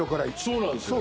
そうなんですよ。